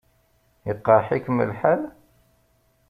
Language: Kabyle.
Iqṛeḥ-ikem lḥal?